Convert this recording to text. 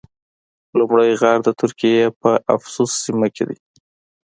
لومړی غار د ترکیې په افسوس سیمه کې ده.